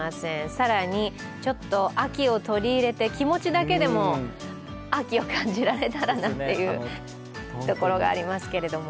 更に、ちょっと秋を取り入れて気持ちだけでも秋を感じられたらというところがありますけども。